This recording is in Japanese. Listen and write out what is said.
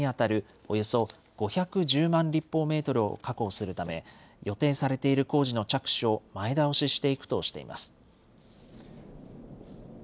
およそ５１０万立方メートルを確保するため、予定されている工事の着手を前倒ししていくとしています。